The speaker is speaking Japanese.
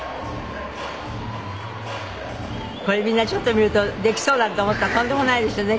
これみんなちょっと見るとできそうだって思ったらとんでもないですよね